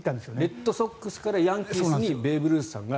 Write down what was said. レッドソックスからヤンキースにベーブ・ルースさんが。